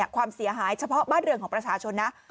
ความเสียหายเฉพาะบ้านเรือนของประชาชนนะ